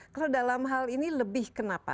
kalau dalam hal ini lebih kenapa